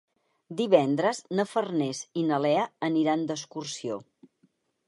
Divendres na Farners i na Lea aniran d'excursió.